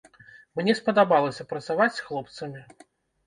Мне спадабалася працаваць з хлопцамі.